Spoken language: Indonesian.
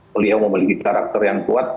beliau memiliki karakter yang kuat